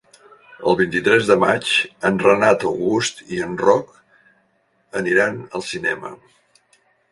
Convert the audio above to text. El vint-i-tres de maig en Renat August i en Roc aniran al cinema.